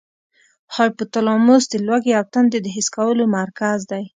هایپو تلاموس د لوږې او تندې د حس کولو مرکز دی.